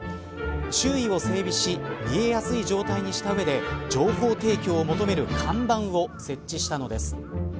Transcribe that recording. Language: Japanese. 周囲を整備し見えやすい状態にした上で情報提供を求める看板を設置したのです。